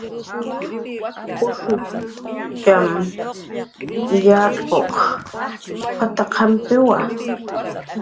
"Ushutxam yapuq p""at""aqampiwa"